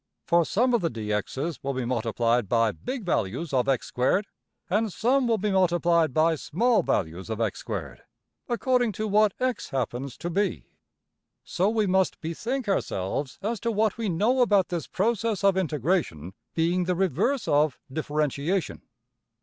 For some of the $dx$'s will be multiplied by big values of~$x^2$, and some will be multiplied by small values of~$x^2$, according to what $x$~happens to be. So we must bethink ourselves as to what we know about this process of integration being the reverse of differentiation.